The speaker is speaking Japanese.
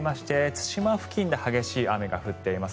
対馬付近で激しい雨が降っています。